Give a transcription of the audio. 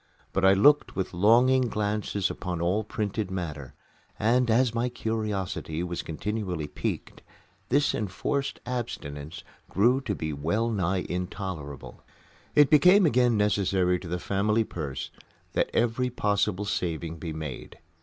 But I looked with longing glances upon all printed matter and, as my curiosity was continually piqued, this enforced abstinence grew to be well nigh intolerable. It became again necessary to the family purse that every possible saving be made.